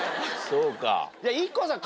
そうか。